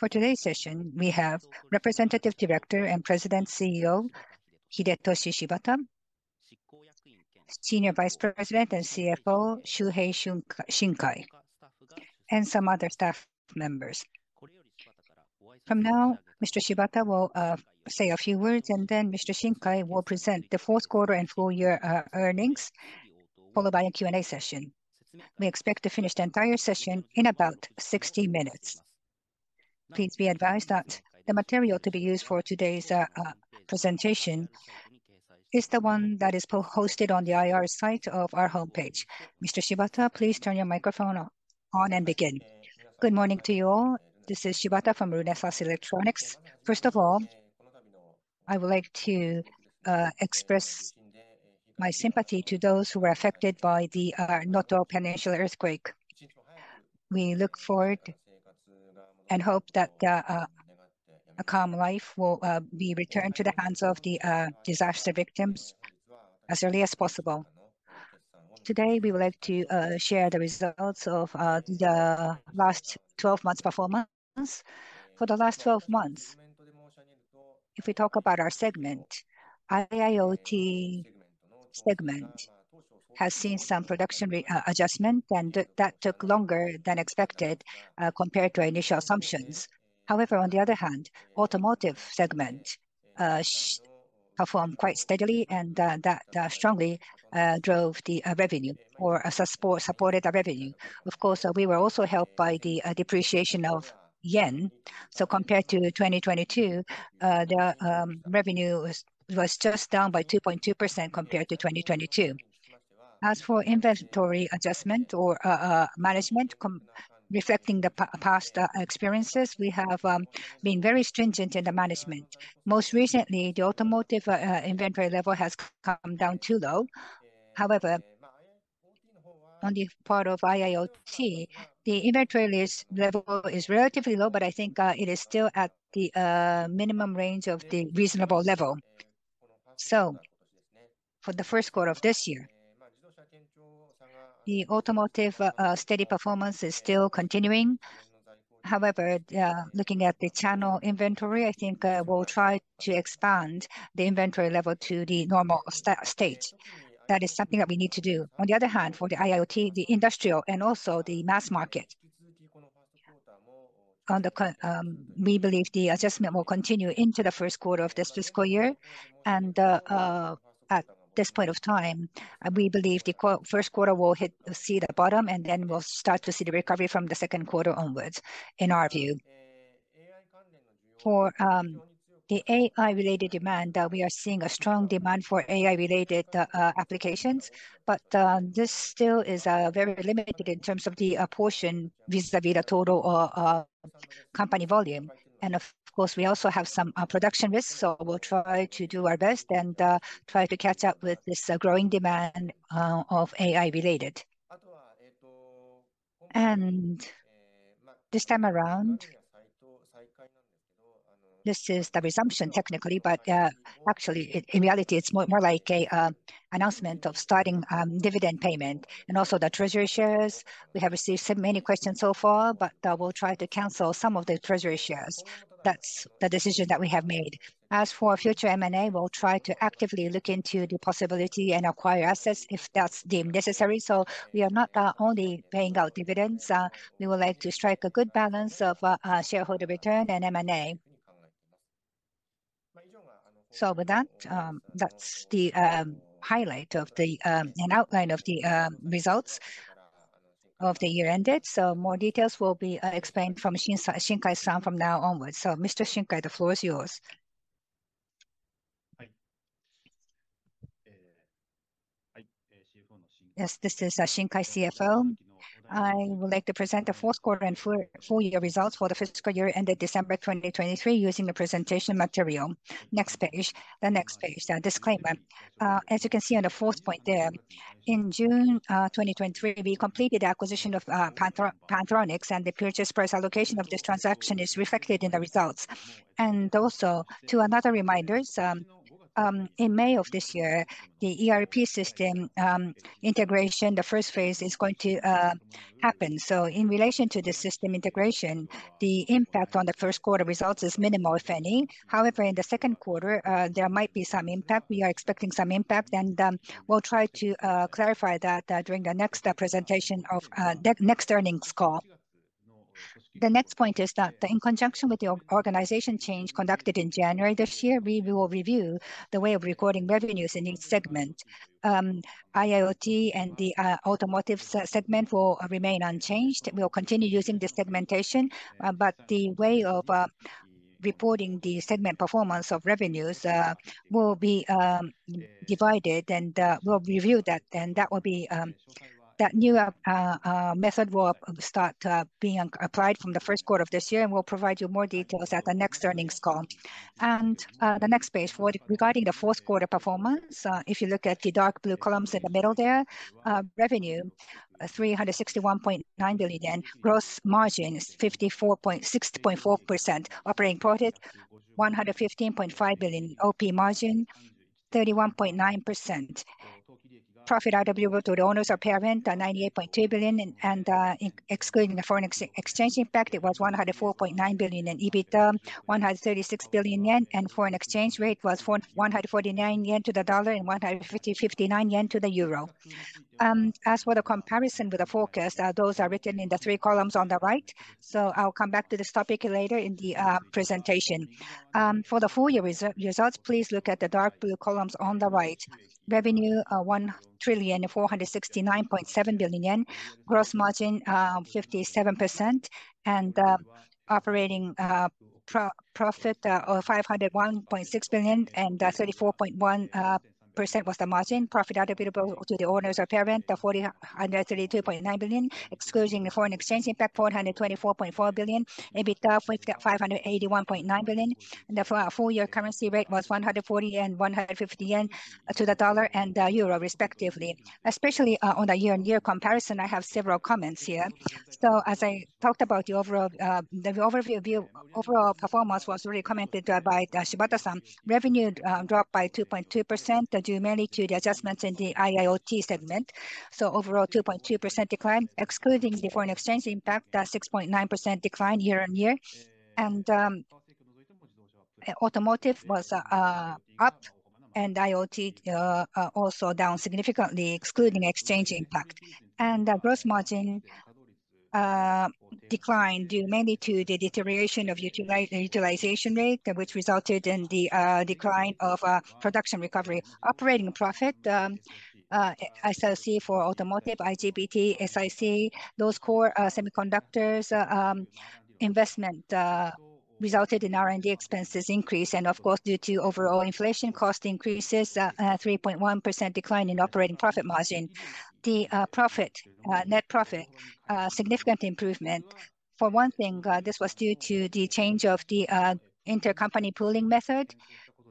For today's session, we have Representative Director and President CEO, Hidetoshi Shibata; Senior Vice President and CFO, Shuhei Shinkai; and some other staff members. From now, Mr. Shibata will say a few words, and then Mr. Shinkai will present the fourth quarter and full year earnings, followed by a Q&A session. We expect to finish the entire session in about 60 minutes. Please be advised that the material to be used for today's presentation is the one that is hosted on the IR site of our homepage. Mr. Shibata, please turn your microphone on and begin. Good morning to you all. This is Shibata from Renesas Electronics. First of all, I would like to express my sympathy to those who were affected by the Noto Peninsula earthquake. We look forward and hope that a calm life will be returned to the hands of the disaster victims as early as possible. Today, we would like to share the results of the last 12 months' performance. For the last 12 months, if we talk about our segment, IIoT segment has seen some production readjustment, and that took longer than expected, compared to our initial assumptions. However, on the other hand, Automotive segment performed quite steadily, and that strongly drove the revenue or supported the revenue. Of course, we were also helped by the depreciation of the yen. So compared to 2022, the revenue was just down by 2.2% compared to 2022. As for inventory adjustment or management, reflecting the past experiences, we have been very stringent in the management. Most recently, the Automotive inventory level has come down too low. However, on the part of IIoT, the inventory level is relatively low, but I think it is still at the minimum range of the reasonable level. So for the first quarter of this year, the Automotive steady performance is still continuing. However, looking at the channel inventory, I think we'll try to expand the inventory level to the normal state. That is something that we need to do. On the other hand, for the IIoT, the industrial and also the mass market, We believe the adjustment will continue into the first quarter of this fiscal year, and at this point of time, we believe the first quarter will see the bottom, and then we'll start to see the recovery from the second quarter onwards, in our view. For the AI-related demand, we are seeing a strong demand for AI-related applications, but this still is very limited in terms of the portion vis-a-vis the total company volume. And of course, we also have some production risks, so we'll try to do our best and try to catch up with this growing demand of AI-related. And this time around, this is the resumption technically, but actually in reality, it's more, more like a announcement of starting dividend payment and also the treasury shares. We have received so many questions so far, but we'll try to cancel some of the treasury shares. That's the decision that we have made. As for future M&A, we'll try to actively look into the possibility and acquire assets if that's deemed necessary. So we are not only paying out dividends. We would like to strike a good balance of shareholder return and M&A. So with that, that's the highlight and outline of the results of the year ended. So more details will be explained from Shinkai-san from now onwards. So, Mr. Shinkai, the floor is yours. Yes, this is Shinkai, CFO. I would like to present the Fourth Quarter and Full Year Results for the Fiscal Year Ended December 2023, using the presentation material. Next page. The next page, the disclaimer. As you can see on the fourth point there, in June 2023, we completed the acquisition of Panthronics, and the purchase price allocation of this transaction is reflected in the results. And also, as another reminder, in May of this year, the ERP system integration, the first phase is going to happen. So in relation to the system integration, the impact on the first quarter results is minimal, if any. However, in the second quarter, there might be some impact. We are expecting some impact, and we'll try to clarify that during the next presentation of the next earnings call. The next point is that in conjunction with the organization change conducted in January this year, we will review the way of recording revenues in each segment. IIoT and the Automotive segment will remain unchanged; we will continue using this segmentation. But the way of reporting the segment performance of revenues will be divided, and we'll review that, and that will be... That new method will start being applied from the first quarter of this year, and we'll provide you more details at the next earnings call. The next page, regarding the fourth quarter performance, if you look at the dark blue columns in the middle there, revenue, 361.9 billion yen. Gross margin is 60.4%. Operating profit, 115.5 billion. OP margin, 31.9%. Profit attributable to the owners of parent, 98.2 billion, and, excluding the foreign exchange impact, it was 104.9 billion in EBITDA, 136 billion yen, and foreign exchange rate was 149 yen to $1 and JPY 155 to EUR 1. As for the comparison with the forecast, those are written in the three columns on the right, so I'll come back to this topic later in the presentation. For the full year results, please look at the dark blue columns on the right. Revenue, 1.4697 trillion. Gross margin, 57%. Operating profit, 501.6 billion, and 34.1% was the margin. Profit attributable to the owners of the parent, 432.9 billion, excluding the foreign exchange impact, 424.4 billion. EBITDA, we've got 581.9 billion, and therefore our full year currency rate was 140 to 1$ and 150 yen to EUR 1, respectively. Especially on a year-on-year comparison, I have several comments here. So as I talked about, the overall performance was already commented by Shibata-san. Revenue dropped by 2.2%, due mainly to the adjustments in the IIoT segment. So overall, 2.2% decline, excluding the foreign exchange impact, a 6.9% decline year-on-year. And Automotive was up, and IIoT also down significantly, excluding exchange impact. And the gross margin declined due mainly to the deterioration of utilization rate, which resulted in the decline of production recovery. Operating profit, SLC for automotive, IGBT, SiC, those core semiconductors, investment resulted in R&D expenses increase, and of course, due to overall inflation cost increases, 3.1% decline in operating profit margin. The profit, net profit, significant improvement. For one thing, this was due to the change of the intercompany pooling method,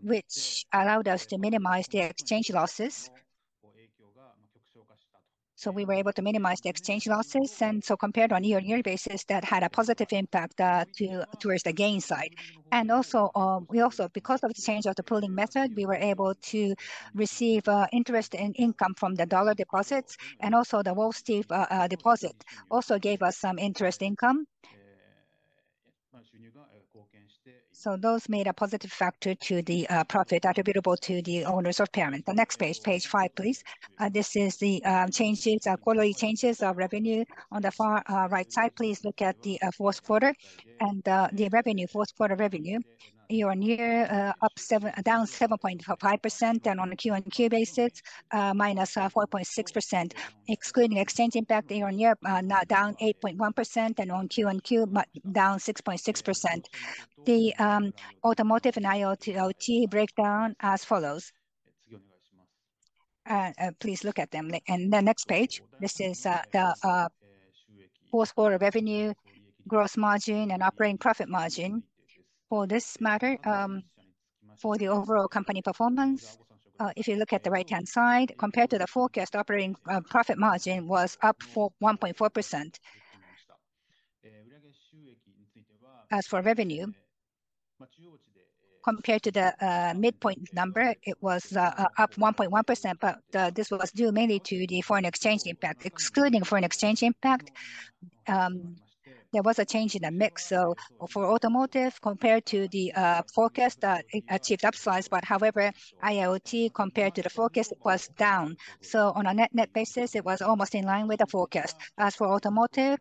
which allowed us to minimize the exchange losses. So we were able to minimize the exchange losses, and so compared on a year-on-year basis, that had a positive impact towards the gain side. And also, we also, because of the change of the pooling method, we were able to receive interest and income from the dollar deposits, and also the Wolfspeed deposit also gave us some interest income. So those made a positive factor to the profit attributable to the owners of parent. The next page, page five, please. This is the quarterly changes of revenue. On the far right side, please look at the fourth quarter and the revenue, fourth quarter revenue. Year-on-year, down 7.5%, and on a Q-on-Q basis, -4.6%. Excluding exchange impact, year-on-year, down 8.1%, and on Q-on-Q, but down 6.6%. The Automotive and IIoT breakdown as follows. Please look at them. The next page, this is the fourth quarter revenue, gross margin, and operating profit margin. For this matter, for the overall company performance, if you look at the right-hand side, compared to the forecast, operating profit margin was up 1.4%. As for revenue, compared to the midpoint number, it was up 1.1%, but this was due mainly to the foreign exchange impact. Excluding foreign exchange impact, there was a change in the mix. So for Automotive, compared to the forecast, it achieved upside, but however, IIoT compared to the forecast was down. So on a net-net basis, it was almost in line with the forecast. As for Automotive,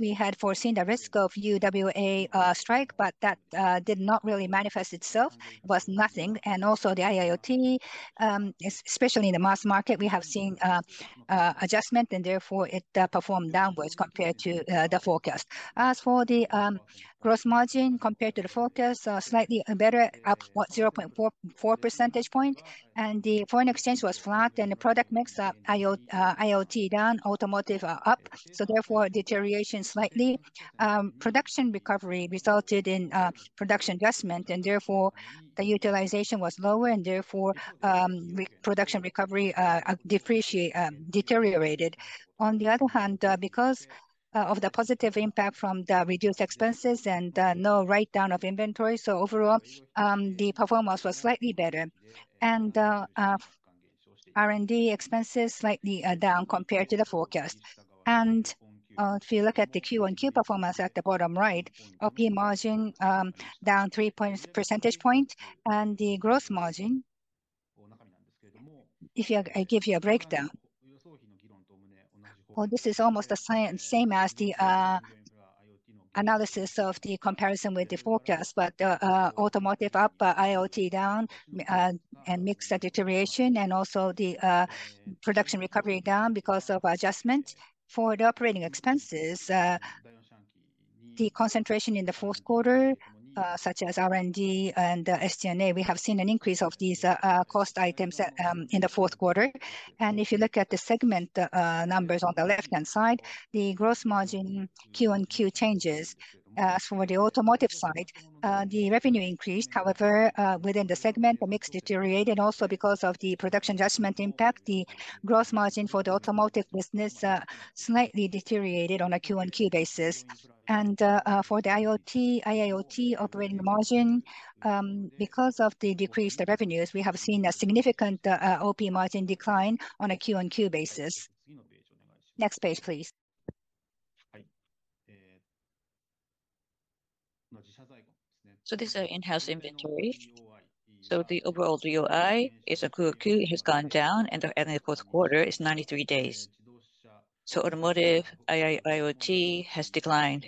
we had foreseen the risk of UAW strike, but that did not really manifest itself. It was nothing. And also the IIoT, especially in the mass market, we have seen adjustment, and therefore it performed downwards compared to the forecast. As for the gross margin compared to the forecast, slightly better, up 0.44 percentage point, and the foreign exchange was flat, and the product mix, IIoT down, Automotive are up, so therefore, deterioration slightly. Production recovery resulted in production adjustment, and therefore the utilization was lower, and therefore, depreciation deteriorated. On the other hand, because of the positive impact from the reduced expenses and no write-down of inventory, so overall, the performance was slightly better. And R&D expenses slightly down compared to the forecast. If you look at the Q-on-Q performance at the bottom right, OP margin, down 3 percentage points, and the gross margin, if you, I give you a breakdown. Well, this is almost the same, same as the analysis of the comparison with the forecast, but, Automotive up, IIoT down, and mixed deterioration, and also the production recovery down because of adjustment. For the operating expenses, the concentration in the fourth quarter, such as R&D and SG&A, we have seen an increase of these cost items, in the fourth quarter. If you look at the segment numbers on the left-hand side, the gross margin Q-on-Q changes. For the Automotive side, the revenue increased, however, within the segment, the mix deteriorated. Also, because of the production adjustment impact, the gross margin for the Automotive business slightly deteriorated on a Q-on-Q basis. And for the IIoT, IIoT operating margin, because of the decreased revenues, we have seen a significant OP margin decline on a Q-on-Q basis. Next page, please. So these are in-house inventory. So the overall DOI is Q-on-Q, it has gone down, and the end of the fourth quarter is 93 days. So Automotive, IIoT has declined,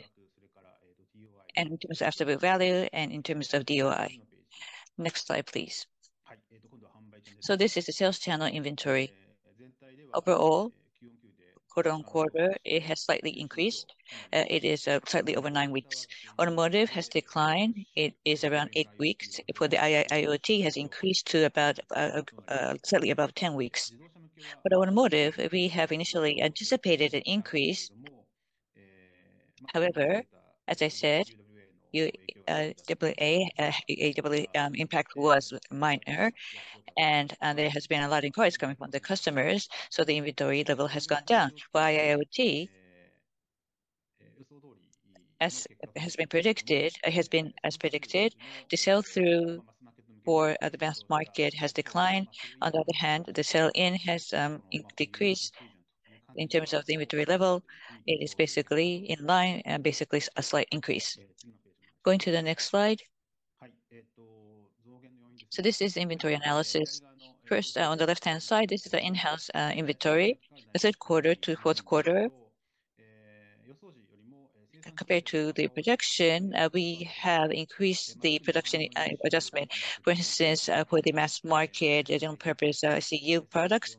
and in terms of absolute value and in terms of DOI. Next slide, please. So this is the sales channel inventory. Overall, quarter-on-quarter, it has slightly increased. It is slightly over nine weeks. Automotive has declined. It is around eight weeks, for the IIoT has increased to about slightly above 10 weeks. But Automotive, we have initially anticipated an increase. However, as I said, UAW impact was minor, and there has been a lot of inquiries coming from the customers, so the inventory level has gone down. For IIoT, as has been predicted, it has been as predicted, the sell-through for the best market has declined. On the other hand, the sell-in has decreased in terms of the inventory level. It is basically in line and basically a slight increase. Going to the next slide. So this is inventory analysis. First, on the left-hand side, this is the in-house inventory, the third quarter to fourth quarter. Compared to the projection, we have increased the production adjustment. For instance, for the mass market and general purpose MCU products,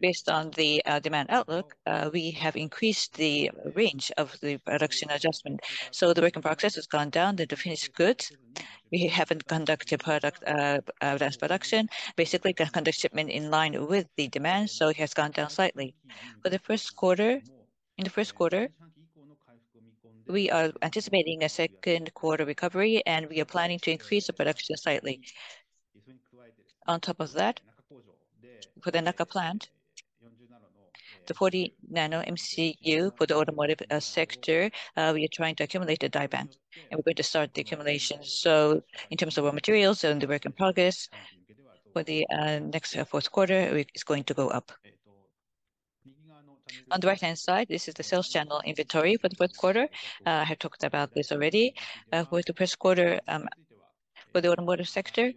based on the demand outlook, we have increased the range of the production adjustment. So the work in process has gone down, the finished goods. We haven't conducted product mass production. Basically, we conduct shipment in line with the demand, so it has gone down slightly. For the first quarter, in the first quarter, we are anticipating a second quarter recovery, and we are planning to increase the production slightly. On top of that, for the Naka plant, the 40 nm MCU for the Automotive sector, we are trying to accumulate the die bank, and we're going to start the accumulation. So in terms of raw materials and the work in progress, for the next fourth quarter, it is going to go up. On the right-hand side, this is the sales channel inventory for the fourth quarter. I have talked about this already. For the first quarter, for the Automotive sector,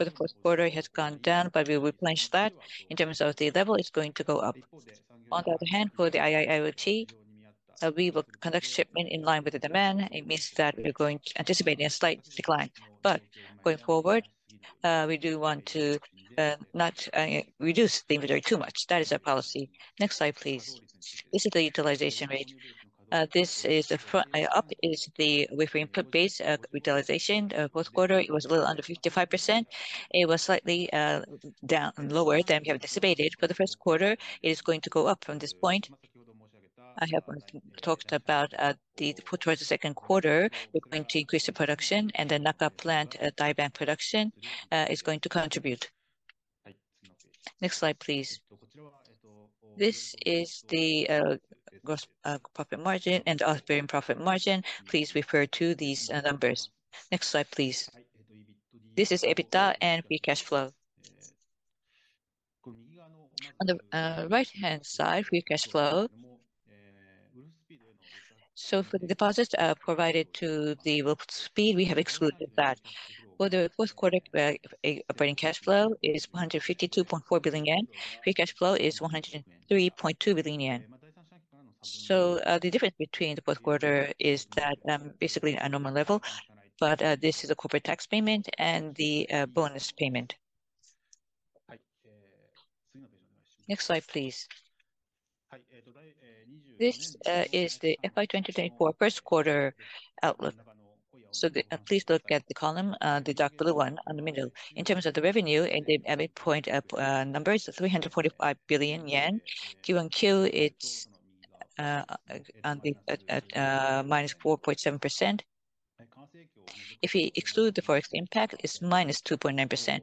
for the fourth quarter, it has gone down, but we replenish that. In terms of the level, it's going to go up. On the other hand, for the IIoT, we will conduct shipment in line with the demand. It means that we're going to anticipate a slight decline. But going forward, we do want to not reduce the inventory too much. That is our policy. Next slide, please. This is the utilization rate. This is the front... Up is the wafer input base utilization. Fourth quarter, it was a little under 55%. It was slightly down, lower than we have anticipated. For the first quarter, it is going to go up from this point. I have talked about the, towards the second quarter, we're going to increase the production and the Naka plant die bank production is going to contribute. Next slide, please. This is the gross profit margin and the operating profit margin. Please refer to these numbers. Next slide, please. This is EBITDA and free cash flow. On the right-hand side, free cash flow. So for the deposits provided to Wolfspeed, we have excluded that. For the fourth quarter, operating cash flow is 152.4 billion yen. Free cash flow is 103.2 billion yen. So, the difference between the fourth quarter is that basically a normal level, but this is a corporate tax payment and the bonus payment. Next slide, please. This is the FY 2024 first quarter outlook. Please look at the column, the dark blue one on the middle. In terms of the revenue and the [EBIT] point numbers, 345 billion yen. Q-on-Q, it's at -4.7%. If we exclude the Forex impact, it's -2.9%.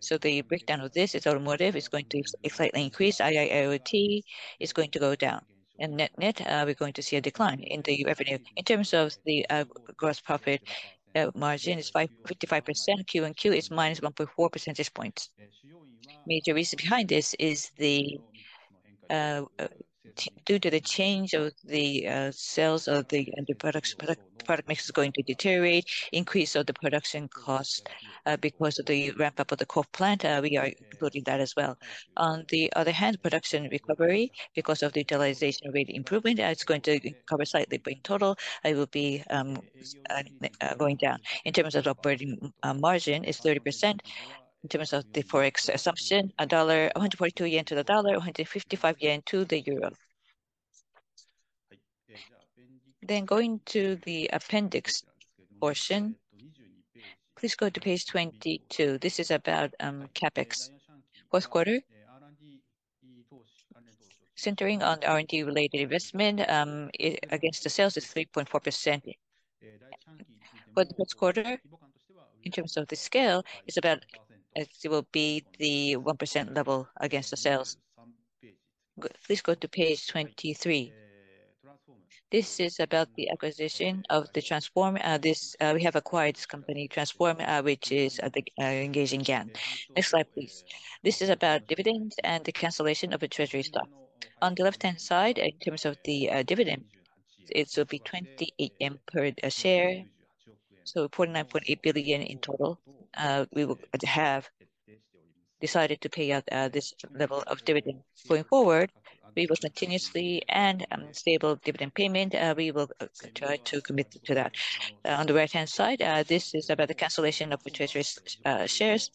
So the breakdown of this is Automotive is going to slightly increase, IIoT is going to go down, and net-net, we're going to see a decline in the revenue. In terms of the gross profit margin, it's 55%. Q-on-Q, it's -1.4 percentage points. Major reason behind this is due to the change of the sales of the end products, product mix is going to deteriorate, increase of the production cost because of the ramp-up of the Kofu plant, we are including that as well. On the other hand, production recovery, because of the utilization rate improvement, it's going to recover slightly. But in total, it will be going down. In terms of the operating margin, it's 30%. In terms of the Forex assumption, JPY 142 to $1, JPY 155 to EUR 1. Then going to the appendix portion, please go to page 22. This is about CapEx. Fourth quarter, centering on R&D-related investment, against the sales is 3.4%. But this quarter, in terms of the scale, it's about it will be the 1% level against the sales. Please go to page 23. This is about the acquisition of the Transphorm, this, we have acquired this company, Transphorm, which is, I think, engaged in GaN. Next slide, please. This is about dividends and the cancellation of a treasury stock. On the left-hand side, in terms of the, dividend, it will be 28 yen per share, so 4.98 billion in total. We will have decided to pay out this level of dividend going forward. We will continuously and stable dividend payment, we will try to commit to that. On the right-hand side, this is about the cancellation of the treasury stock shares.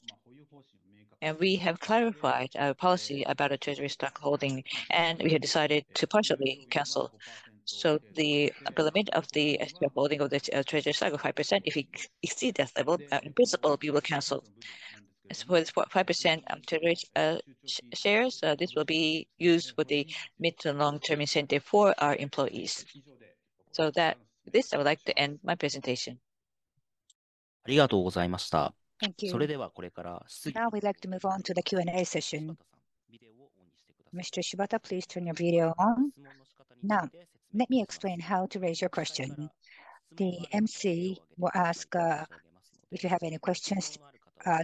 We have clarified our policy about a treasury stock holding, and we have decided to partially cancel. So the element of the holding of the treasury stock of 5%, if we exceed that level, principal will be canceled. As for the 5%, treasury shares, this will be used for the mid to long-term incentive for our employees. This, I would like to end my presentation. Thank you. Now we'd like to move on to the Q&A session. Mr. Shibata, please turn your video on. Now, let me explain how to raise your question. The emcee will ask if you have any questions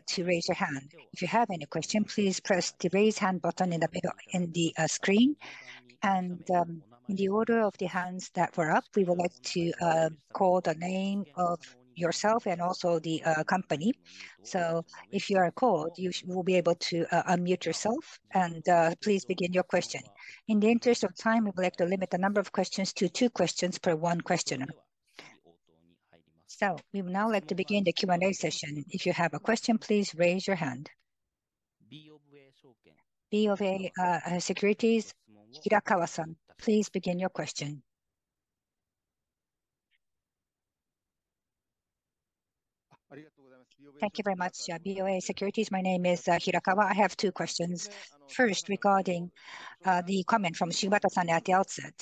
to raise your hand. If you have any question, please press the Raise Hand button in the screen. And in the order of the hands that were up, we would like to call the name of yourself and also the company. So if you are called, you will be able to unmute yourself, and please begin your question. In the interest of time, we would like to limit the number of questions to two questions per one questioner. So we would now like to begin the Q&A session. If you have a question, please raise your hand. BofA Securities, Hirakawa-san, please begin your question. Thank you very much. BofA Securities, my name is Hirakawa. I have two questions. First, regarding the comment from Shibata-san at the outset.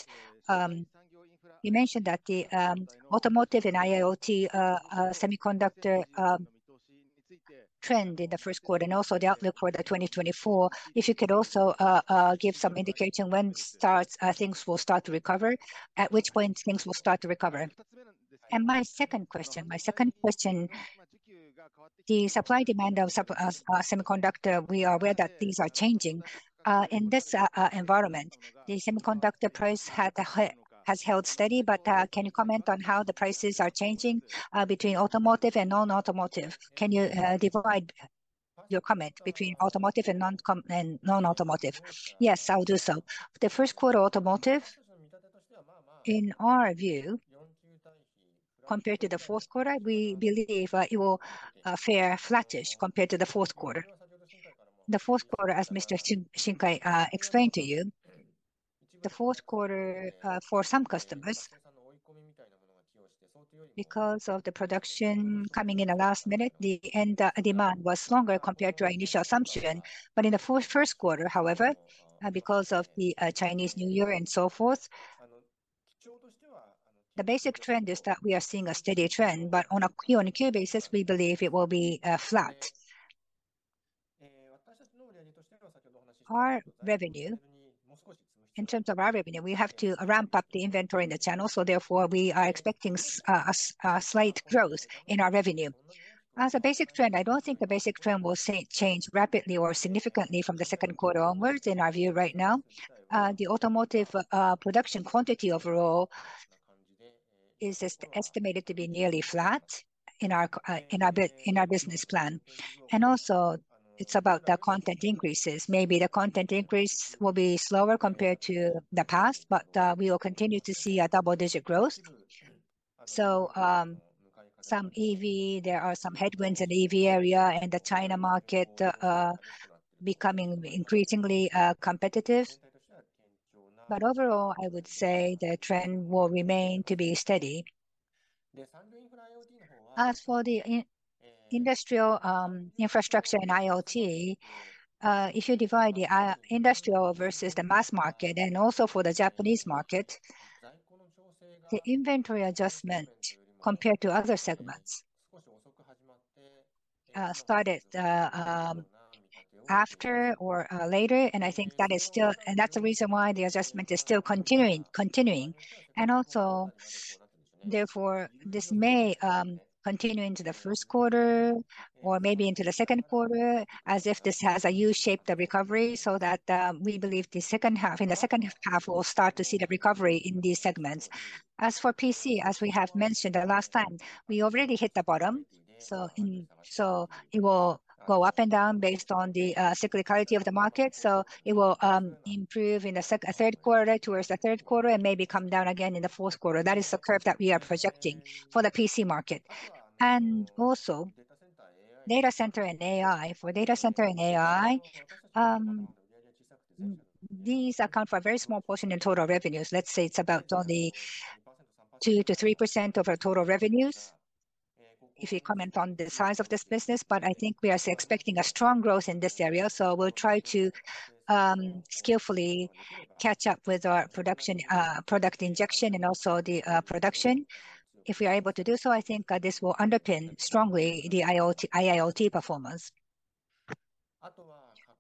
You mentioned that the Automotive and IIoT semiconductor trend in the first quarter and also the outlook for 2024. If you could also give some indication when starts things will start to recover, at which point things will start to recover? My second question, the supply-demand of semiconductor, we are aware that things are changing. In this environment, the semiconductor price has held steady, but can you comment on how the prices are changing between Automotive and non-automotive? Can you divide your comment between Automotive and non-automotive? Yes, I will do so. The first quarter Automotive, in our view, compared to the fourth quarter, we believe it will fare flattish compared to the fourth quarter. The fourth quarter, as Mr. Shinkai explained to you, the fourth quarter for some customers, because of the production coming in the last minute, the end demand was stronger compared to our initial assumption. But in the first quarter, however, because of the Chinese New Year and so forth, the basic trend is that we are seeing a steady trend, but on a Q-on-Q basis, we believe it will be flat. Our revenue, in terms of our revenue, we have to ramp up the inventory in the channel, so therefore, we are expecting a slight growth in our revenue. As a basic trend, I don't think the basic trend will change rapidly or significantly from the second quarter onwards, in our view right now. The Automotive production quantity overall is estimated to be nearly flat in our business plan. And also, it's about the content increases. Maybe the content increase will be slower compared to the past, but we will continue to see a double-digit growth. So, some EV, there are some headwinds in EV area and the China market becoming increasingly competitive. But overall, I would say the trend will remain to be steady. As for the industrial, infrastructure and IIoT, if you divide the industrial versus the mass market, and also for the Japanese market, the inventory adjustment compared to other segments started after or later, and I think that is still and that's the reason why the adjustment is still continuing. And also, therefore, this may continue into the first quarter or maybe into the second quarter, as if this has a U-shaped recovery, so that we believe the second half, in the second half, we'll start to see the recovery in these segments. As for PC, as we have mentioned the last time, we already hit the bottom, so it will go up and down based on the cyclicality of the market. So it will improve in the third quarter, towards the third quarter, and maybe come down again in the fourth quarter. That is the curve that we are projecting for the PC market. And also, data center and AI. For data center and AI, these account for a very small portion in total revenues. Let's say it's about only 2%-3% of our total revenues, if you comment on the size of this business. But I think we are expecting a strong growth in this area, so we'll try to skillfully catch up with our production, product injection and also the production. If we are able to do so, I think this will underpin strongly the IIoT, IIoT performance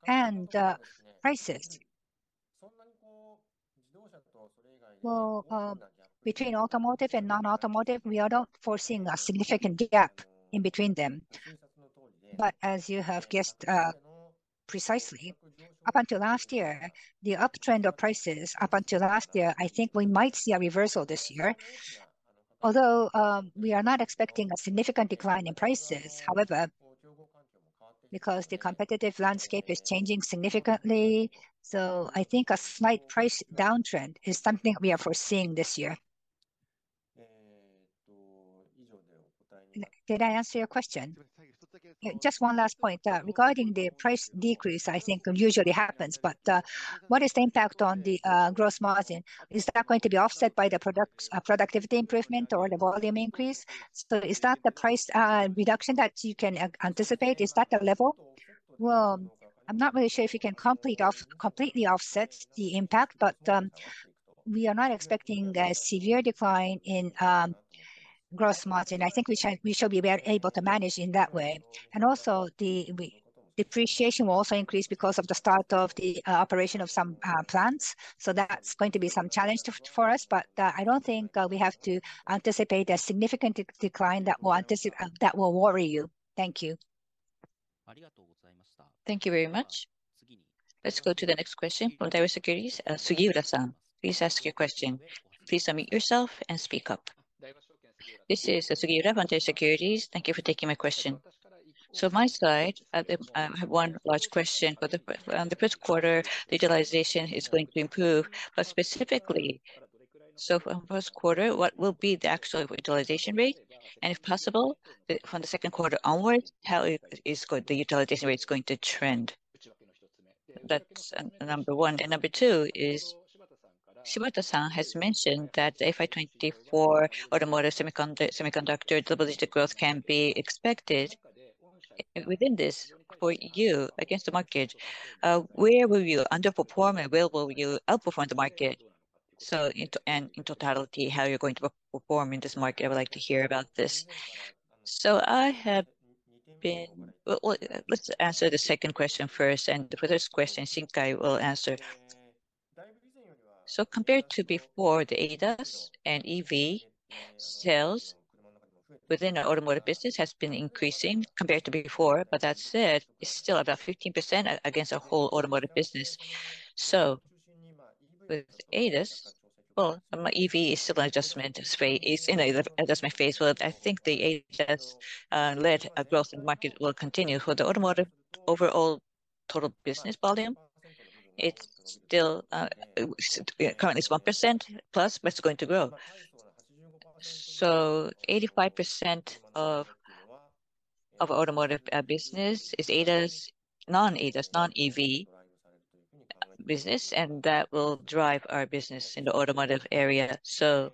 and prices? Well, between Automotive and non-automotive, we are not foreseeing a significant gap in between them. But as you have guessed precisely, up until last year, the uptrend of prices up until last year, I think we might see a reversal this year. Although we are not expecting a significant decline in prices, however, because the competitive landscape is changing significantly, so I think a slight price downtrend is something we are foreseeing this year. Did I answer your question? Just one last point, regarding the price decrease, I think it usually happens, but what is the impact on the gross margin? Is that going to be offset by the product productivity improvement or the volume increase? So is that the price reduction that you can anticipate? Is that the level? Well, I'm not really sure if we can completely offset the impact, but we are not expecting a severe decline in gross margin. I think we should be well able to manage in that way. And also, the depreciation will also increase because of the start of the operation of some plants, so that's going to be some challenge for us. But I don't think we have to anticipate a significant decline that will worry you. Thank you. Thank you very much. Let's go to the next question from Daiwa Securities, Sugiura-san. Please ask your question. Please unmute yourself and speak up. This is Sugiura from Daiwa Securities. Thank you for taking my question. So my side, I have one large question. For the first quarter, the utilization is going to improve, but specifically, so for first quarter, what will be the actual utilization rate? And if possible, from the second quarter onwards, how is the utilization rate going to trend? That's number one. And number two is, Shibata-san has mentioned that FY 2024 Automotive semiconductor, double-digit growth can be expected. Within this, for you, against the market, where will you underperform and where will you outperform the market? So in total and in totality, how are you going to perform in this market? I would like to hear about this. Well, let's answer the second question first, and the first question, Shinkai will answer. So compared to before the ADAS and EV sales within our Automotive business has been increasing compared to before. But that said, it's still about 15% against our whole Automotive business. So with ADAS, well, EV is still in an adjustment phase. Well, I think the ADAS-led growth in market will continue. For the Automotive overall total business volume, it's still currently 1%+, but it's going to grow. So 85% of Automotive business is ADAS, non-ADAS, non-EV business, and that will drive our business in the automotive area. So,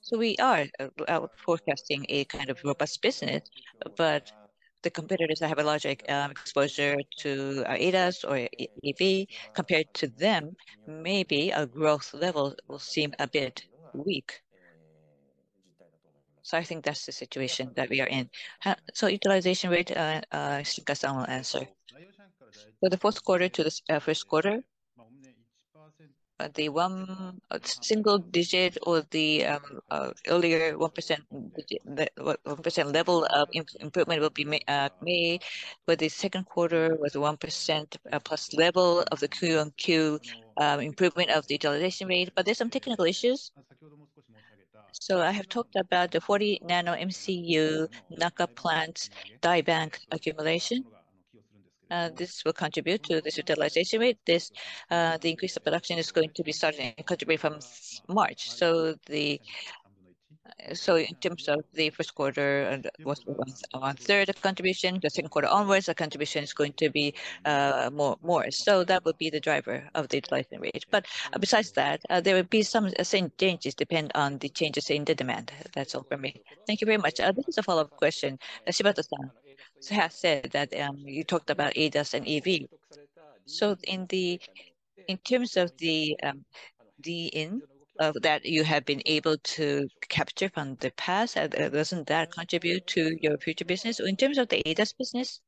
so we are forecasting a kind of robust business, but the competitors that have a large exposure to ADAS or EV, compared to them, maybe our growth level will seem a bit weak. So I think that's the situation that we are in. So utilization rate, Shinkai-san will answer. For the fourth quarter to the first quarter, the one single digit or the earlier 1% dig- one, 1% level of improvement will be made, but the second quarter was 1%+ level of the Q-on-Q improvement of the utilization rate, but there's some technical issues. So I have talked about the 40 nm, MCU Naka plant, die bank accumulation, and this will contribute to this utilization rate. This, the increase of production is going to be starting to contribute from March. So in terms of the first quarter, and was one-third of contribution. The second quarter onwards, the contribution is going to be more. So that would be the driver of the utilization rate. But besides that, there will be some same changes depend on the changes in the demand. That's all for me. Thank you very much. This is a follow-up question. Shibata-san has said that you talked about ADAS and EV. So in terms of the design-in of that you have been able to capture from the past, doesn't that contribute to your future business or in terms of the ADAS business?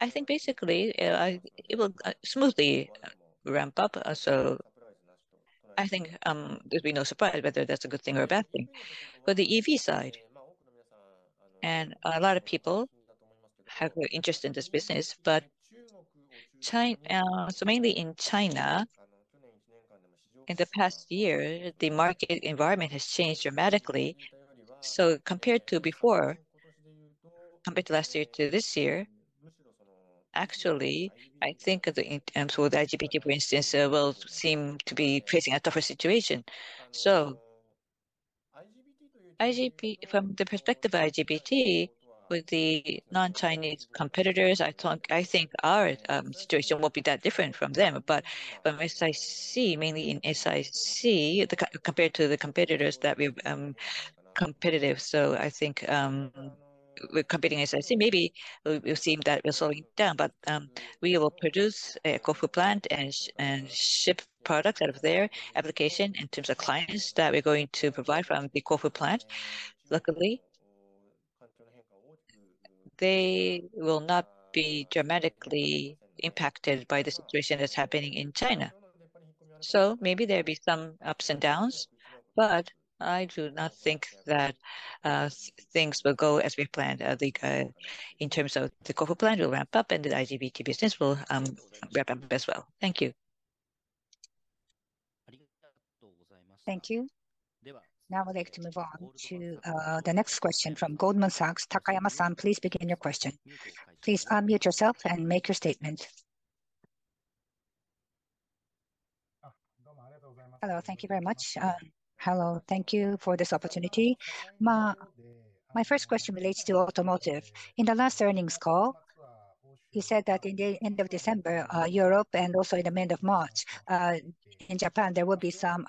I think basically, it will smoothly ramp up. So I think there'll be no surprise whether that's a good thing or a bad thing. But the EV side, and a lot of people have great interest in this business, but China. So mainly in China, in the past year, the market environment has changed dramatically. So compared to before, compared to last year to this year, actually, I think that in terms of the IGBT, for instance, will seem to be facing a tougher situation. So from the perspective of IGBT, with the non-Chinese competitors, I think, I think our situation won't be that different from them. But as I see, mainly in SiC, compared to the competitors, that we've competitive. So I think we're competing, as I say, maybe it will seem that we're slowing down, but, we will produce at Kofu plant and ship products out of their application in terms of clients that we're going to provide from the Kofu plant. Luckily, they will not be dramatically impacted by the situation that's happening in China. So maybe there'll be some ups and downs, but I do not think that things will go as we planned, in terms of the Kofu plant will ramp up and the IGBT business will, ramp up as well. Thank you. Thank you. Now I would like to move on to the next question from Goldman Sachs. Takayama-san, please begin your question. Please unmute yourself and make your statement. Hello. Thank you very much. Hello, thank you for this opportunity. My first question relates to automotive. In the last earnings call, you said that in the end of December, Europe, and also in the end of March, in Japan, there will be some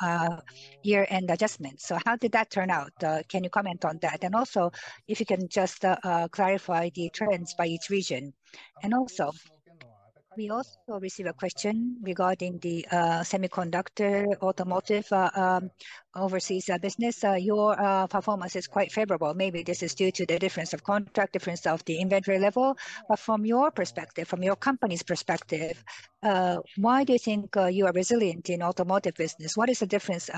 year-end adjustments. So how did that turn out? Can you comment on that? And also, if you can just clarify the trends by each region. And also, we also receive a question regarding the semiconductor Automotive overseas business. Your performance is quite favorable. Maybe this is due to the difference of contract, difference of the inventory level. But from your perspective, from your company's perspective, why do you think you are resilient in Automotive business? What is the difference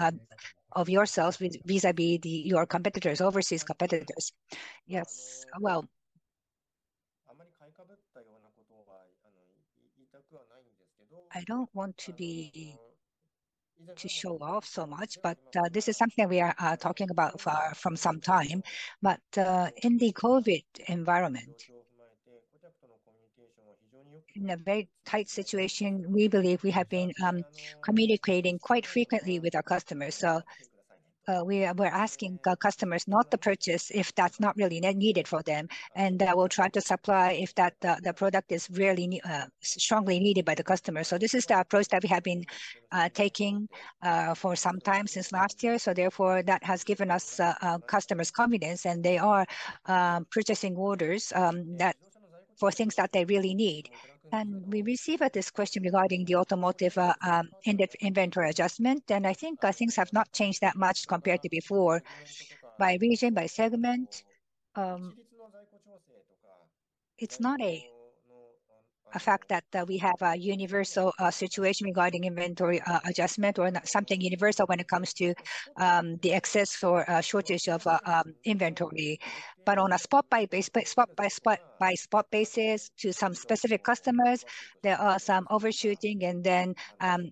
of yourselves with vis-à-vis the your competitors, overseas competitors? Yes. Well, I don't want to show off so much, but this is something that we are talking about for some time. But in the COVID environment, in a very tight situation, we believe we have been communicating quite frequently with our customers. So, we're asking our customers not to purchase if that's not really needed for them, and we'll try to supply if the product is really strongly needed by the customer. So this is the approach that we have been taking for some time since last year, so therefore, that has given us customers' confidence, and they are purchasing orders that for things that they really need. And we received this question regarding the Automotive inventory adjustment, and I think things have not changed that much compared to before by region, by segment. It's not a fact that we have a universal situation regarding inventory adjustment or something universal when it comes to the excess or shortage of inventory. But on a spot-by-spot basis to some specific customers, there are some overshooting, and then,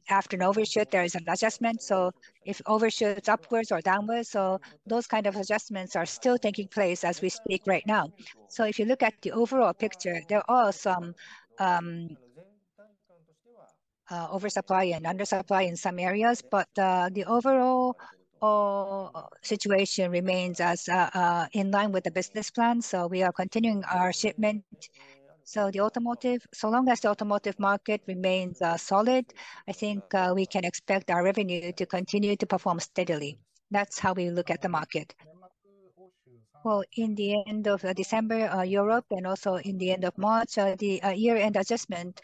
after an overshoot, there is an adjustment. So if overshoots upwards or downwards, so those kind of adjustments are still taking place as we speak right now. So if you look at the overall picture, there are some oversupply and undersupply in some areas, but the overall situation remains as in line with the business plan, so we are continuing our shipment. So long as the automotive market remains solid, I think, we can expect our revenue to continue to perform steadily. That's how we look at the market. Well, at the end of December, Europe and also at the end of March, the year-end adjustment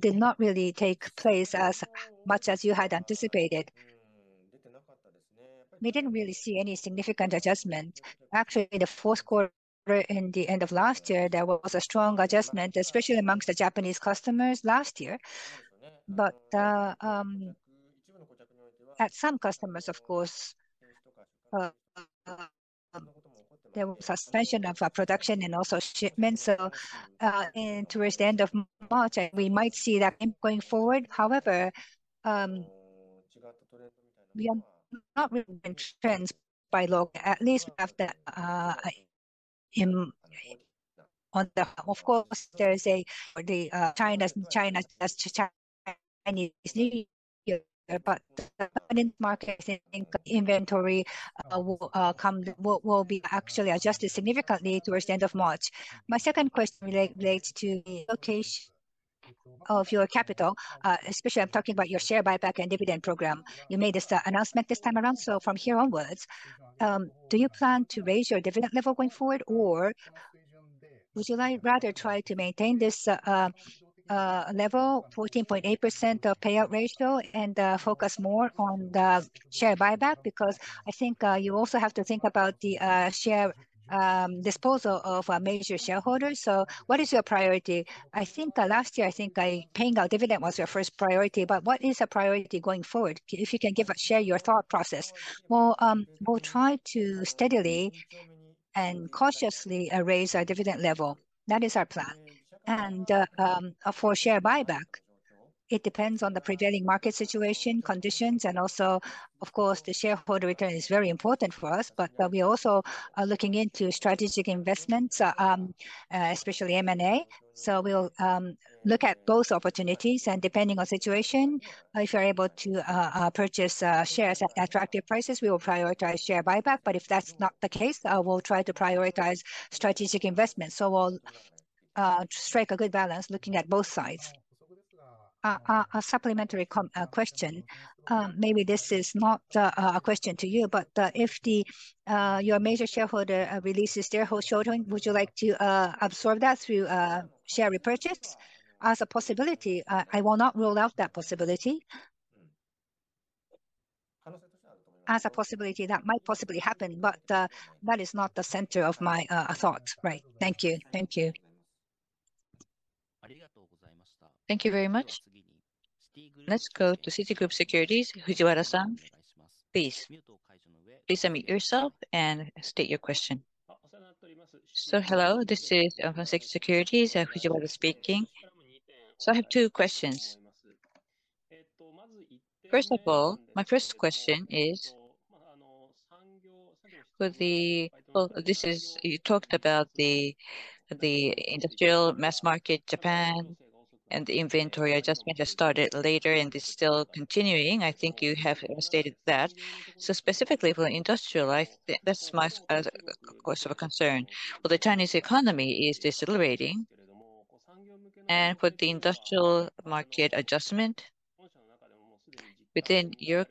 did not really take place as much as you had anticipated. We didn't really see any significant adjustment. Actually, in the fourth quarter, at the end of last year, there was a strong adjustment, especially among the Japanese customers last year. But at some customers, of course, there was suspension of production and also shipments, so and towards the end of March, and we might see that going forward. However, we are not really influenced by lag, at least we have the on the... Of course, there is a, the, China, China as to China, but the market inventory will be actually adjusted significantly towards the end of March. My second question relates to the allocation of your capital, especially I'm talking about your share buyback and dividend program. You made this announcement this time around, so from here onwards, do you plan to raise your dividend level going forward, or would you like rather try to maintain this level, 14.8% of payout ratio and focus more on the share buyback? Because I think you also have to think about the share disposal of our major shareholders. So what is your priority? I think last year, I think paying our dividend was your first priority, but what is your priority going forward? If you can give share your thought process. Well, we'll try to steadily and cautiously raise our dividend level. That is our plan. And for share buyback, it depends on the prevailing market situation, conditions, and also, of course, the shareholder return is very important for us. But we also are looking into strategic investments, especially M&A. So we'll look at both opportunities, and depending on situation, if we're able to purchase shares at attractive prices, we will prioritize share buyback. But if that's not the case, we'll try to prioritize strategic investments. So we'll strike a good balance looking at both sides. A supplementary question. Maybe this is not a question to you, but if your major shareholder releases their whole sharing, would you like to absorb that through share repurchase? As a possibility, I will not rule out that possibility. As a possibility, that might possibly happen, but that is not the center of my thoughts. Right. Thank you. Thank you. Thank you very much. Let's go to Citigroup Securities, Fujiwara-san. Please, please unmute yourself and state your question. So hello, this is from Citigroup Securities, Fujiwara speaking. So I have two questions. First of all, my first question is, with the... Well, this is you talked about the industrial mass market Japan and the inventory adjustment has started later and is still continuing. I think you have stated that. So specifically for industrial, that's my cause of concern. Well, the Chinese economy is decelerating, and for the industrial market adjustment within Europe,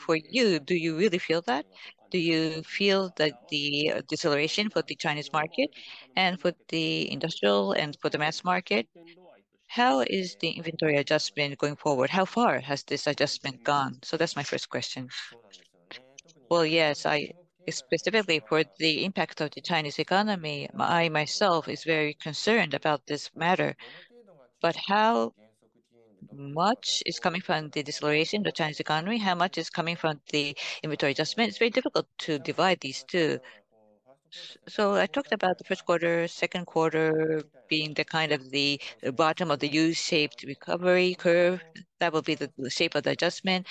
for you, do you really feel that? Do you feel that the deceleration for the Chinese market and for the industrial and for the mass market, how is the inventory adjustment going forward? How far has this adjustment gone? So that's my first question. Well, yes, I. Specifically for the impact of the Chinese economy, I, myself, is very concerned about this matter. But how much is coming from the deceleration of the Chinese economy? How much is coming from the inventory adjustment? It's very difficult to divide these two. So I talked about the first quarter, second quarter being the kind of the bottom of the U-shaped recovery curve. That will be the shape of the adjustment.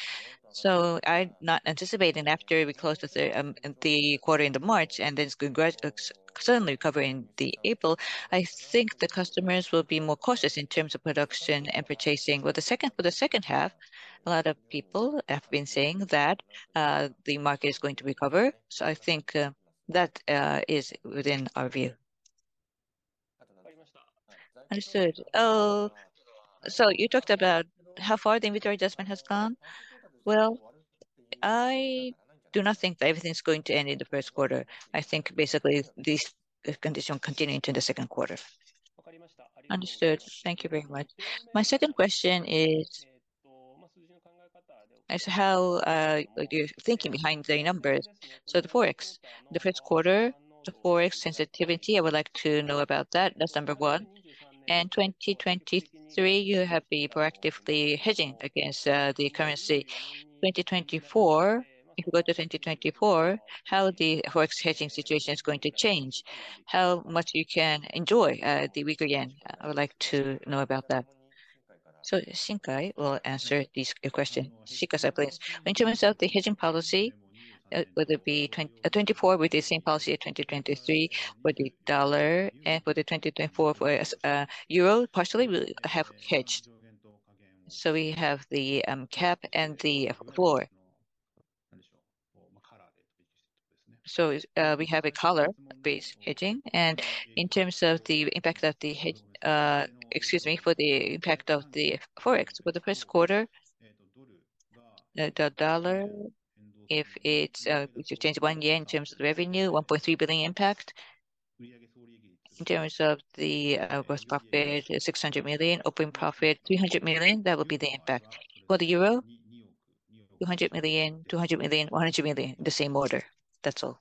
So I'm not anticipating after we close the, the quarter end of March, and then it's certainly recovering the April. I think the customers will be more cautious in terms of production and purchasing. Well, for the second half, a lot of people have been saying that, the market is going to recover, so I think, that is within our view. Understood. So you talked about how far the inventory adjustment has gone. Well, I do not think that everything's going to end in the first quarter. I think basically this condition continuing to the second quarter. Understood. Thank you very much. My second question is how your thinking behind the numbers? So the Forex, the first quarter, the Forex sensitivity, I would like to know about that. That's number one. And 2023, you have been proactively hedging against the currency. 2024, if you go to 2024, how the Forex hedging situation is going to change? How much you can enjoy the weaker yen? I would like to know about that. So Shinkai will answer this question. Shinkai-san, please. In terms of the hedging policy, whether it be 2024 with the same policy as 2023, for the dollar and for the 2024 for euro, partially we have hedged. So we have the cap and the floor. So we have a collar-based hedging. And in terms of the impact of the hedge, excuse me, for the impact of the Forex, for the first quarter, the dollar, if it's if you change one yen in terms of the revenue, 1.3 billion impact. In terms of the gross profit, 600 million, operating profit, 300 million, that would be the impact. For the euro, 200 million, 200 million, 100 million, the same order. That's all.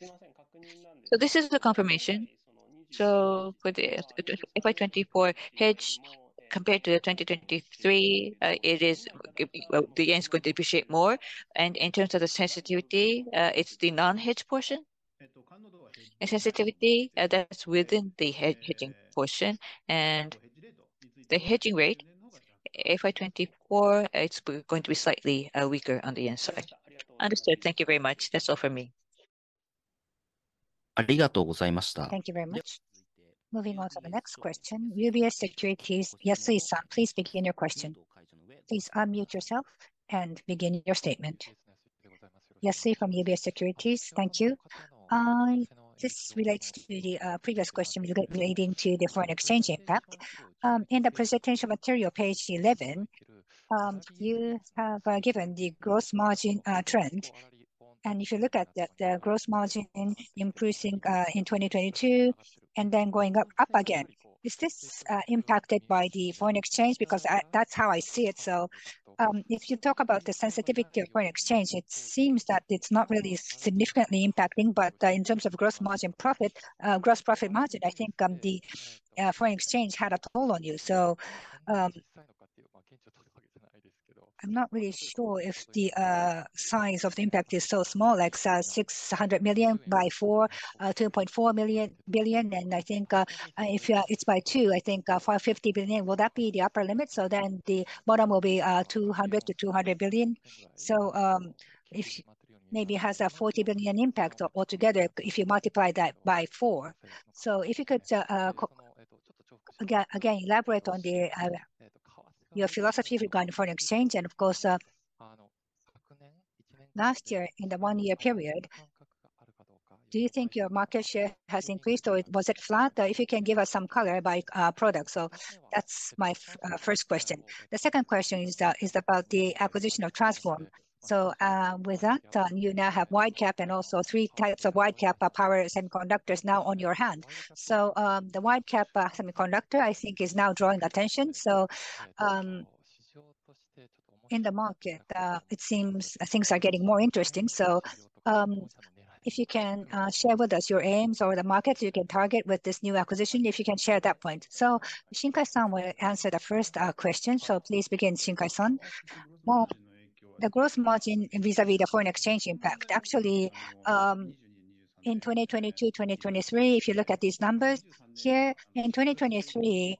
So this is the confirmation. So for the FY 2024 hedge compared to the 2023, it is, well, the yen is going to depreciate more. And in terms of the sensitivity, it's the non-hedge portion? The sensitivity, that's within the hedging portion. And the hedging rate, FY 2024, it's going to be slightly, weaker on the yen side. Understood. Thank you very much. That's all for me. Thank you very much. Moving on to the next question. UBS Securities, Yasui-san, please begin your question. Please unmute yourself and begin your statement. Yasui from UBS Securities. Thank you. This relates to the previous question relating to the foreign exchange impact. In the presentation material, page 11, you have given the gross margin trend. And if you look at the gross margin increasing in 2022, and then going up again. Is this impacted by the foreign exchange? Because that's how I see it. So, if you talk about the sensitivity of foreign exchange, it seems that it's not really significantly impacting. But in terms of gross margin profit, gross profit margin, I think the foreign exchange had a toll on you. So, I'm not really sure if the size of the impact is so small, like, 600 million by four, 2.4 billion. And I think, if it's by two, I think, 5.50 billion, will that be the upper limit? So then the bottom will be, 200 to 200 million. So, if maybe it has a 40 billion impact altogether, if you multiply that by 4. So if you could, again, elaborate on your philosophy regarding foreign exchange, and of course, last year, in the one-year period, do you think your market share has increased, or it was it flat? If you can give us some color by product. So that's my first question. The second question is about the acquisition of Transphorm. So, with that, you now have wide bandgap and also three types of wide bandgap power semiconductors now on your hand. So, the wide bandgap semiconductor, I think, is now drawing attention. So, in the market, it seems things are getting more interesting. So, if you can share with us your aims or the markets you can target with this new acquisition, if you can share that point. So Shinkai-san will answer the first question, so please begin, Shinkai-san. Well, the growth margin vis-à-vis the foreign exchange impact, actually, in 2022, 2023, if you look at these numbers here, in 2023,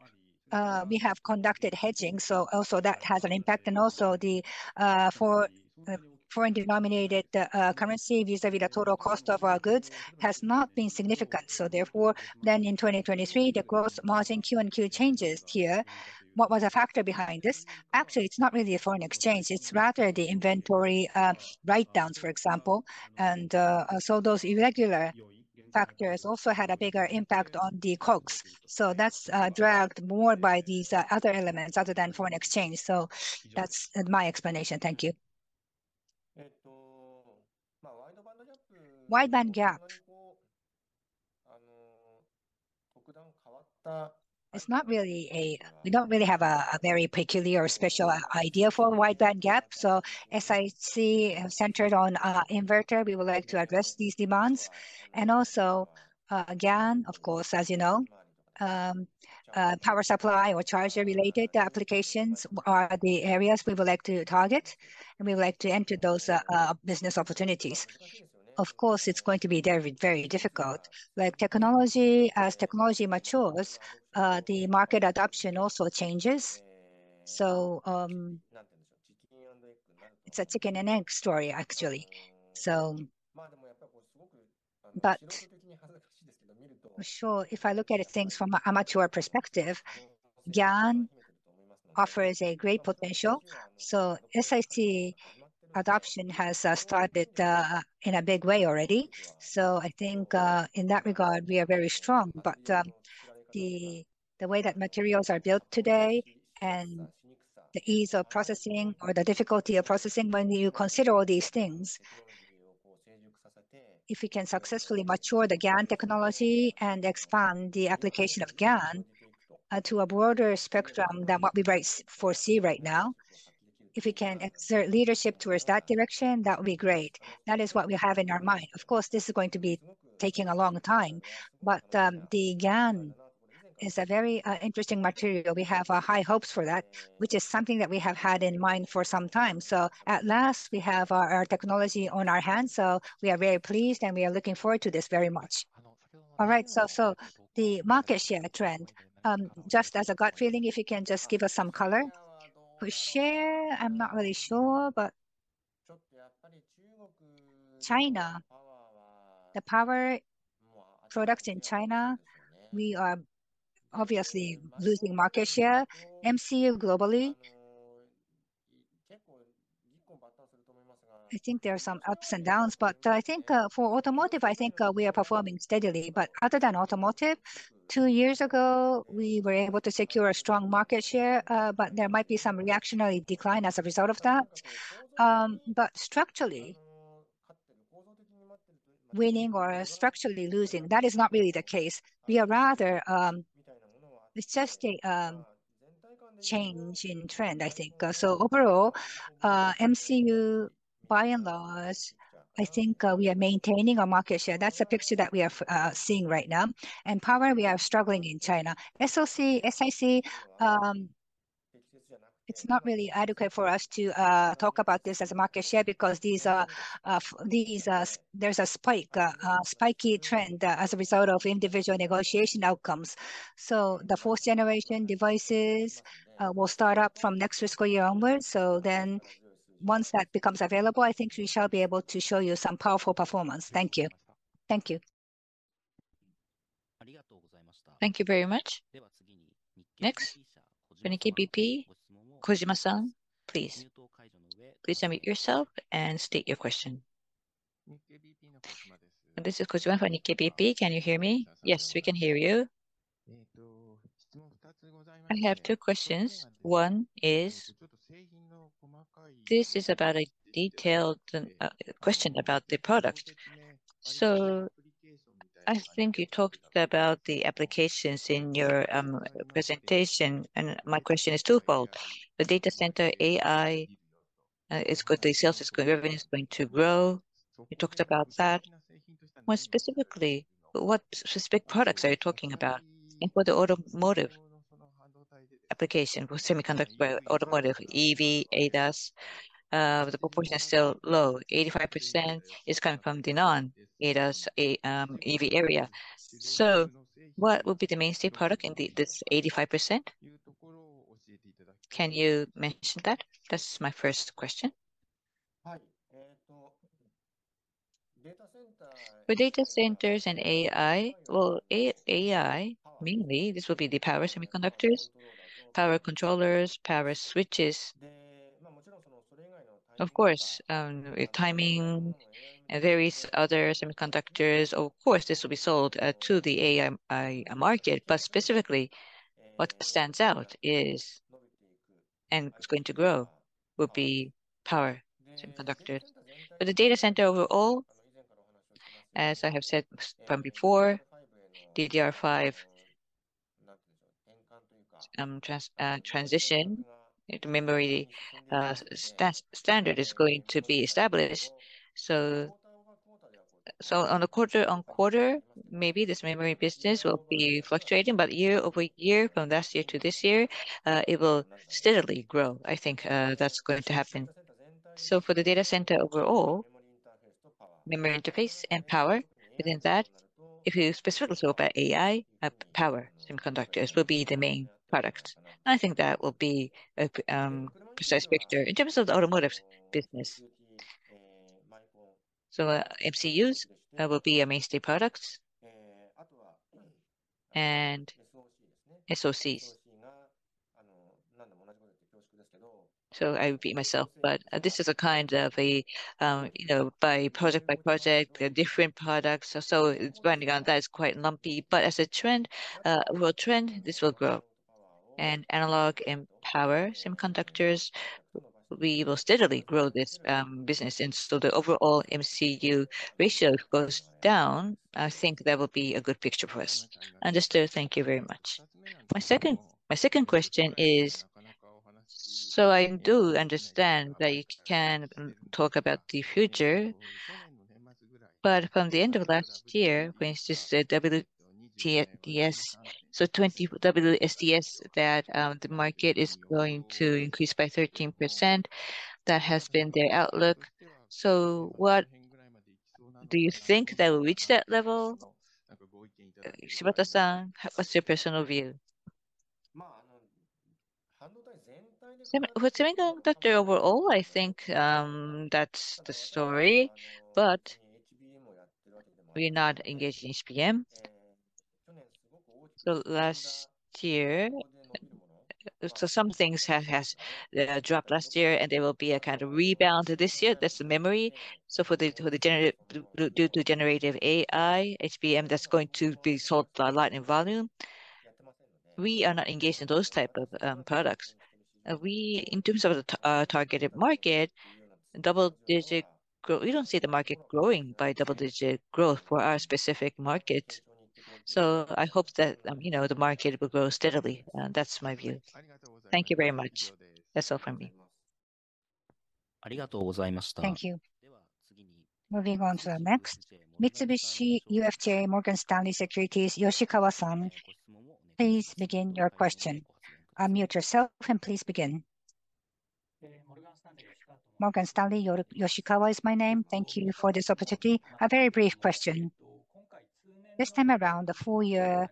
we have conducted hedging, so also that has an impact. And also the foreign-denominated currency vis-à-vis the total cost of our goods has not been significant. So therefore, then in 2023, the gross margin Q-on-Q changes here. What was the factor behind this? Actually, it's not really a foreign exchange, it's rather the inventory write-downs, for example. And so those irregular factors also had a bigger impact on the COGS. So that's dragged more by these other elements other than foreign exchange. So that's my explanation. Thank you. Wide bandgap. It's not really a... We don't really have a very peculiar or special idea for wide bandgap, so SiC centered on inverter, we would like to address these demands. And also, again, of course, as you know, power supply or charger-related applications are the areas we would like to target, and we would like to enter those business opportunities. Of course, it's going to be very, very difficult. Like technology, as technology matures, the market adoption also changes. It's a chicken and egg story, actually. But for sure, if I look at things from an amateur perspective, GaN offers a great potential. SiC adoption has started in a big way already. I think, in that regard, we are very strong. But the way that materials are built today and the ease of processing or the difficulty of processing, when you consider all these things, if we can successfully mature the GaN technology and expand the application of GaN to a broader spectrum than what we foresee right now, if we can exert leadership towards that direction, that would be great. That is what we have in our mind. Of course, this is going to be taking a long time, but, the GaN is a very interesting material. We have, high hopes for that, which is something that we have had in mind for some time. So at last, we have our technology on our hands, so we are very pleased and we are looking forward to this very much. All right. So, so the market share trend, just as a gut feeling, if you can just give us some color. For share, I'm not really sure, but China, the power products in China, we are obviously losing market share. MCU globally, I think there are some ups and downs, but I think for Automotive, I think, we are performing steadily. But other than automotive, two years ago, we were able to secure a strong market share, but there might be some reactionary decline as a result of that. But structurally, winning or structurally losing, that is not really the case. We are rather... It's just a change in trend, I think. So overall, MCU by and large, I think, we are maintaining our market share. That's the picture that we are seeing right now. And power, we are struggling in China. SiC, it's not really adequate for us to talk about this as a market share because there's a spike, a spiky trend, as a result of individual negotiation outcomes. So the fourth-generation devices will start up from next fiscal year onwards. So then once that becomes available, I think we shall be able to show you some powerful performance. Thank you. Thank you. Thank you very much. Next, Nikkei BP, Kojima-san, please. Please unmute yourself and state your question. This is Kojima from Nikkei BP. Can you hear me? Yes, we can hear you. I have two questions. One is, this is about a detailed question about the product. So I think you talked about the applications in your presentation, and my question is twofold: The data center AI is good, the sales is good, everything is going to grow. You talked about that. More specifically, what specific products are you talking about? And for the Automotive application, for semiconductor, Automotive, EV, ADAS, the proportion is still low. 85% is coming from the non-ADAS, EV area. So what would be the mainstay product in this 85%? Can you mention that? That's my first question. For data centers and AI, well, AI mainly this will be the power semiconductors, power controllers, power switches. Of course, timing and various other semiconductors, of course, this will be sold to the AI market. But specifically, what stands out is, and it's going to grow, will be power semiconductors. But the data center overall, as I have said from before, DDR5 transition into memory standard is going to be established. So on a quarter-on-quarter, maybe this memory business will be fluctuating, but year-over-year, from last year to this year, it will steadily grow. I think that's going to happen. So for the data center overall, memory interface and power within that, if you specifically talk about AI, power semiconductors will be the main product. I think that will be a precise picture. In terms of the Automotive business, MCUs will be a mainstay products, and SoCs. So I repeat myself, but this is a kind of a, you know, by project by project, different products. So it's going on, that is quite lumpy. But as a trend, well, trend, this will grow. And analog and power semiconductors, we will steadily grow this business. And so the overall MCU ratio goes down, I think that will be a good picture for us. Understood. Thank you very much. My second, my second question is, so I do understand that you can talk about the future, but from the end of last year, when you just said WSTS, so 2023 WSTS, that the market is going to increase by 13%, that has been their outlook. So what do you think that will reach that level? Shibata-san, what's your personal view? For semiconductor overall, I think that's the story, but we're not engaged in HBM. So last year... So some things has dropped last year, and there will be a kind of rebound this year. That's the memory. So for the generative, due to generative AI, HBM, that's going to be sold by light in volume. We are not engaged in those type of products. We, in terms of the targeted market, double digit growth, we don't see the market growing by double digit growth for our specific market. So I hope that, you know, the market will grow steadily. That's my view. Thank you very much. That's all from me. Thank you. Moving on to the next, Mitsubishi UFJ Morgan Stanley Securities, Yoshikawa-san, please begin your question. Unmute yourself, and please begin. Morgan Stanley, Yoshikawa is my name. Thank you for this opportunity. A very brief question. This time around, the full year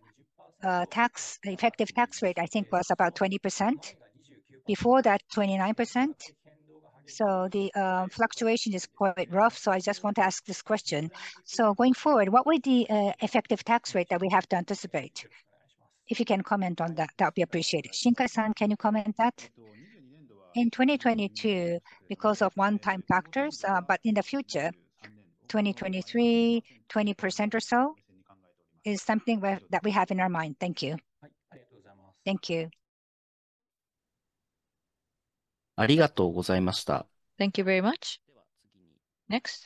tax effective tax rate, I think, was about 20%. Before that, 29%. So the fluctuation is quite rough, so I just want to ask this question. So going forward, what will the effective tax rate that we have to anticipate? If you can comment on that, that would be appreciated. Shinkai-san, can you comment that? In 2022, because of one-time factors, but in the future, 2023, 20% or so is something we're, that we have in our mind. Thank you. Thank you. Thank you very much. Next,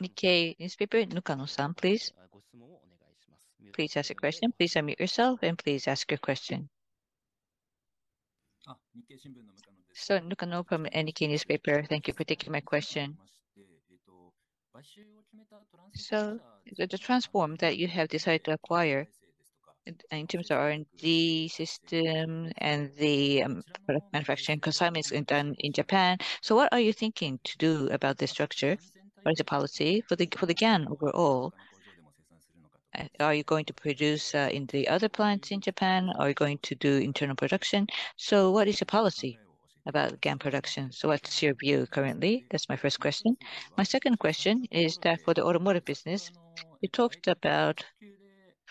Nikkei Newspaper, Mukano-san, please. Please ask a question. Please unmute yourself, and please ask your question. So Mukano from Nikkei Newspaper. Thank you for taking my question. So the Transphorm that you have decided to acquire in terms of R&D system and the product manufacturing consignment in, in Japan. So what are you thinking to do about this structure? What is the policy for the GaN overall? Are you going to produce in the other plants in Japan, or are you going to do internal production? So what is your policy about GaN production? So what is your view currently? That's my first question. My second question is that for the Automotive business, you talked about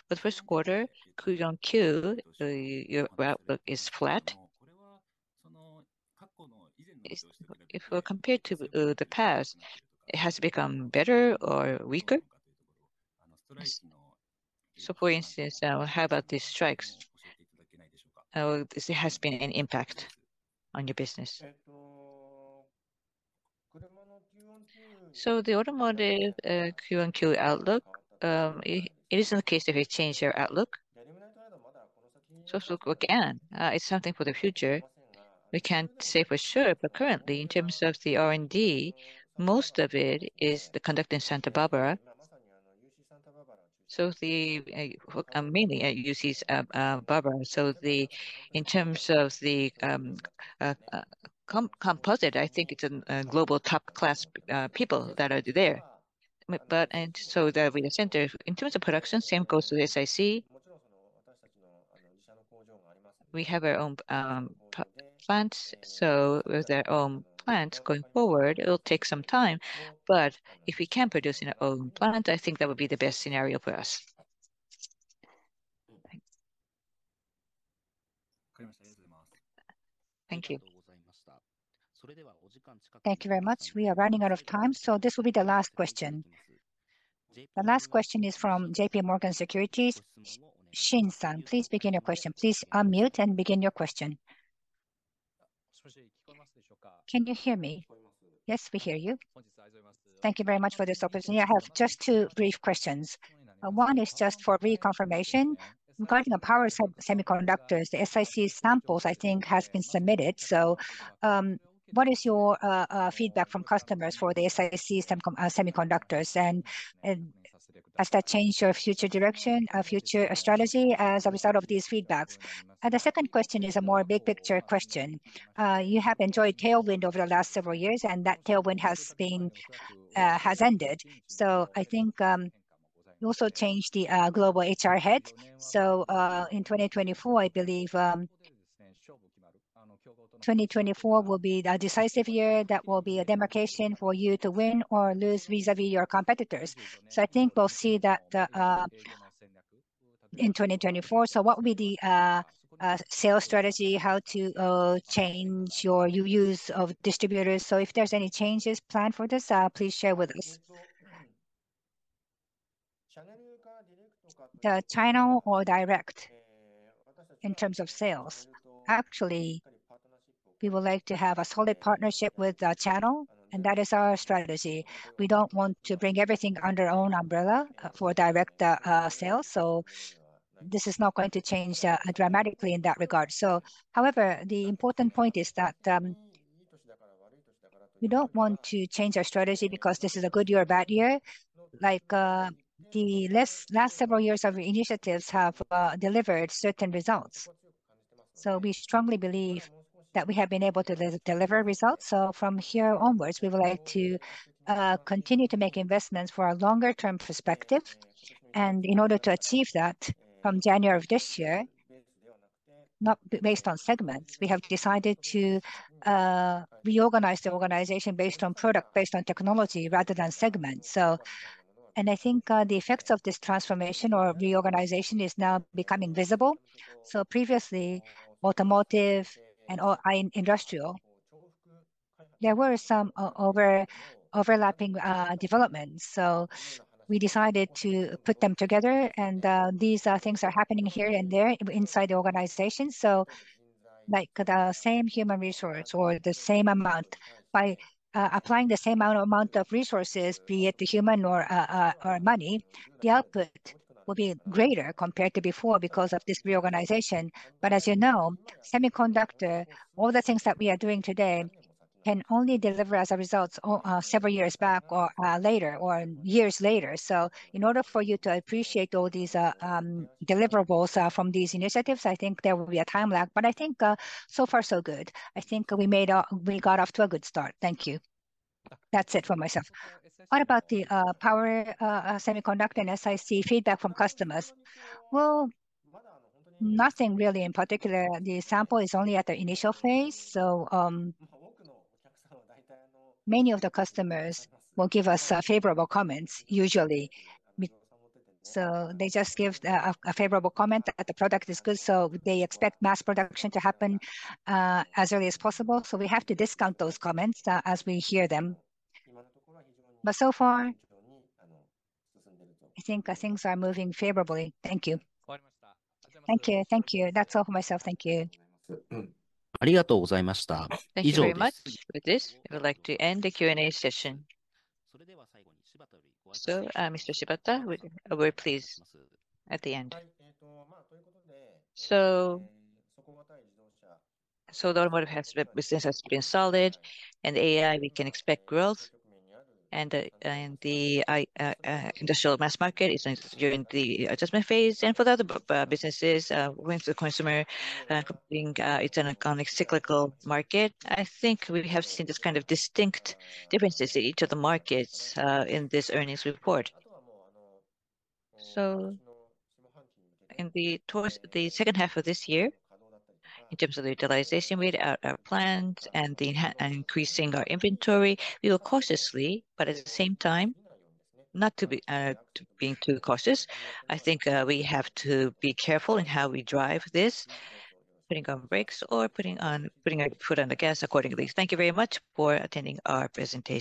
the first quarter, Q on Q, your outlook is flat. If we're compared to the past, it has become better or weaker? So for instance, how about these strikes? How has it been an impact on your business? So the Automotive Q-on-Q outlook, it is not the case if we change our outlook. So again, it's something for the future. We can't say for sure, but currently, in terms of the R&D, most of it is conducted in Santa Barbara. So the, mainly UC Santa Barbara. So in terms of the, composite, I think it's a global top-class, people that are there, and so they're in the center. In terms of production, same goes to the SiC. We have our own plants, so with our own plants going forward, it will take some time, but if we can produce in our own plant, I think that would be the best scenario for us. Thank you. Thank you very much. We are running out of time, so this will be the last question. The last question is from JPMorgan Securities. Xin-san, please begin your question. Please unmute and begin your question. Can you hear me? Yes, we hear you. Thank you very much for this opportunity. I have just two brief questions. One is just for reconfirmation. Regarding the power semiconductors, the SiC samples I think has been submitted. So, what is your feedback from customers for the SiC semiconductors, and has that changed your future direction, future strategy as a result of these feedbacks? The second question is a more big picture question. You have enjoyed tailwind over the last several years, and that tailwind has ended. So I think, you also changed the global HR head. So, in 2024, I believe, 2024 will be the decisive year that will be a demarcation for you to win or lose vis-a-vis your competitors. So I think we'll see that in 2024. So what will be the sales strategy, how to change your use of distributors? So if there's any changes planned for this, please share with us. The channel or direct in terms of sales? Actually, we would like to have a solid partnership with the channel, and that is our strategy. We don't want to bring everything under our own umbrella for direct sales, so this is not going to change dramatically in that regard. So however, the important point is that we don't want to change our strategy because this is a good year or bad year. Like, the last several years of initiatives have delivered certain results. So we strongly believe that we have been able to deliver results. So from here onwards, we would like to continue to make investments for a longer term perspective. And in order to achieve that, from January of this year, not based on segments, we have decided to reorganize the organization based on product, based on technology, rather than segments. And I think, the effects of this transformation or reorganization is now becoming visible. So previously, Automotive and industrial, there were some overlapping developments, so we decided to put them together. And these things are happening here and there inside the organization. So, like, the same human resource or the same amount, by applying the same amount of resources, be it the human or or money, the output will be greater compared to before because of this reorganization. But as you know, semiconductor, all the things that we are doing today can only deliver as a result of several years back or later, or years later. So in order for you to appreciate all these deliverables from these initiatives, I think there will be a time lag, but I think so far so good. I think we got off to a good start. Thank you. That's it for myself. What about the power semiconductor and SiC feedback from customers? Well, nothing really in particular. The sample is only at the initial phase, so many of the customers will give us favorable comments usually. So they just give a favorable comment that the product is good, so they expect mass production to happen as early as possible. So we have to discount those comments as we hear them. But so far, I think things are moving favorably. Thank you. Thank you. Thank you. That's all for myself. Thank you. Thank you very much. With this, I would like to end the Q&A session. So, Mr. Shibata, we're pleased at the end. So, the Automotive business has been solid, and AI we can expect growth, and the industrial mass market is during the adjustment phase. For the other businesses, when the consumer being it's an economic cyclical market, I think we have seen this kind of distinct differences in each of the markets in this earnings report. So towards the second half of this year, in terms of the utilization with our plants and increasing our inventory, we will cautiously, but at the same time, not to be too cautious. I think we have to be careful in how we drive this, putting on brakes or putting our foot on the gas accordingly. Thank you very much for attending our presentation.